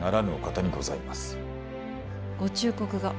ご忠告が。